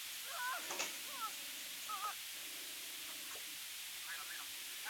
拟修订经济部事业废弃物再利用管理办法增列附表公告再利用编号五十九混烧灰协调会。